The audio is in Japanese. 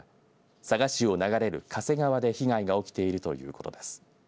佐賀市を流れる嘉瀬川で被害が起きているということです。